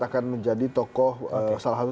akan menjadi tokoh salah satu